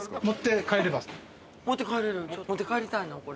持って帰れる？持って帰りたいな。